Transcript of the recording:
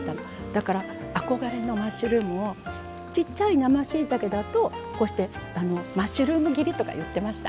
だから憧れのマッシュルームをちっちゃい生しいたけだとこうしてマッシュルーム切りとか言ってました。